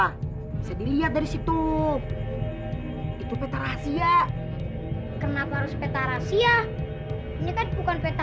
bisa dilihat dari situ itu peta rahasia kenapa harus peta rahasia ini kan bukan peta